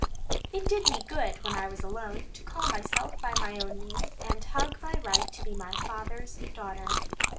It did me good when I was alone, to call myself by my own name, and my right to be my father's daughter.